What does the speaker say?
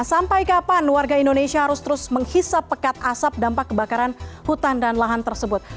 sampai kapan warga indonesia harus terus menghisap pekat asap dampak kebakaran hutan dan lahan tersebut